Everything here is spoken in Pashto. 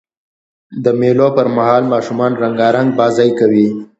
د مېلو پر مهال ماشومان رنګارنګ بازۍ کوي.